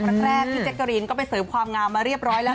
ครั้งแรกพี่เจ๊กรีนก็ไปเสิร์ฟความงามมาเรียบร้อยแล้ว